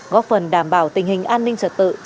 góp phần đảm bảo tình hình an ninh trật tự trên địa bàn